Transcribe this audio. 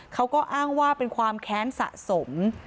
เขาก็อ้างว่าเป็นความแค้นสะสม